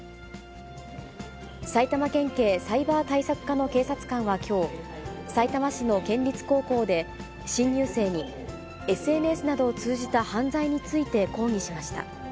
埼玉県警サイバー対策課の警察官はきょう、さいたま市の県立高校で新入生に、ＳＮＳなどを通じた犯罪について講義しました。